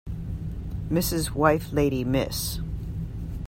Mrs. wife lady Miss